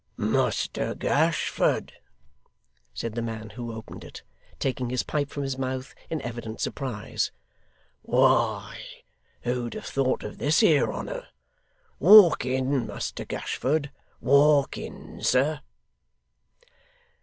'Muster Gashford!' said the man who opened it, taking his pipe from his mouth, in evident surprise. 'Why, who'd have thought of this here honour! Walk in, Muster Gashford walk in, sir.